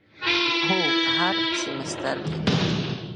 هو، هر سیمیستر کی